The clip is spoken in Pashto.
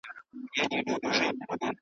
ما ویل چي به ډوبيږي جاله وان او جاله دواړه .